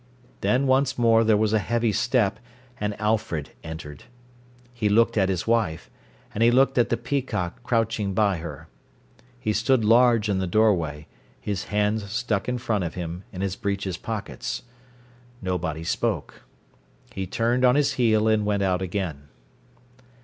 Then once more there was a heavy step, and Alfred entered. He looked at his wife, and he looked at the peacock crouching by her. He stood large in the doorway, his hands stuck in front of him, in his breeches pockets. Nobody spoke. He turned on his heel and went out again.